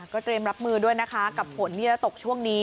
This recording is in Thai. เตรียมรับมือด้วยนะคะกับฝนที่จะตกช่วงนี้